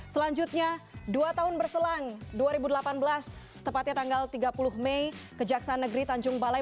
selanjutnya dua tahun berselang dua ribu delapan belas tepatnya tanggal tiga puluh mei kejaksaan negeri tanjung balai